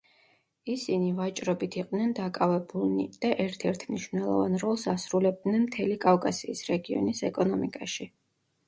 ისინი ვაჭრობით იყვნენ დაკავებულნი და ერთ-ერთ მნიშვნელოვან როლს ასრულებდნენ მთელი კავკასიის რეგიონის ეკონომიკაში.